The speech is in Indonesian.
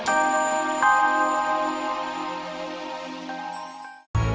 saya hail rentual kersawfolo